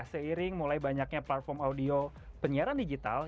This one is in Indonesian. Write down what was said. seiring mulai banyaknya platform audio penyiaran digital